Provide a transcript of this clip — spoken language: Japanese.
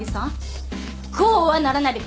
こうはならないでくださいね。